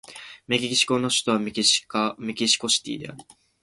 メキシコの首都はメキシコシティである